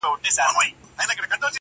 نه مشکل ورته معلوم سو د خوارانو!.